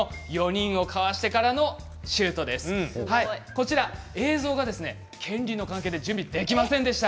こちら、映像が権利の関係で準備できませんでした。